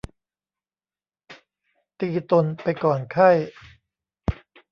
ตีตนไปก่อนไข้